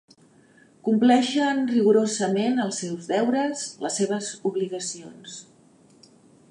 Compleixen rigorosament els seus deures, les seves obligacions.